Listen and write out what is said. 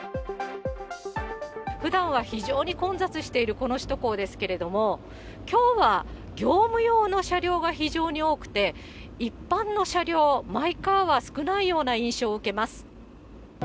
ふだんは非常に混雑しているこの首都高ですけれども、きょうは業務用の車両が非常に多くて、一般の車両、マイカーは少ないような印象を受けます。